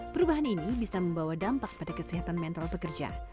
perubahan ini bisa membawa dampak pada kesehatan mental pekerja